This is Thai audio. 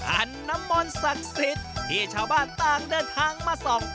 อันน้ำมนต์ศักดิ์สิทธิ์ที่ชาวบ้านต่างเดินทางมาส่อง